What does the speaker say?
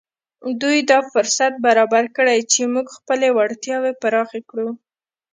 دوی دا فرصت برابر کړی چې موږ خپلې وړتياوې پراخې کړو.